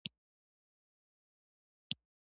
زه د کرکټ تفسیر اورم.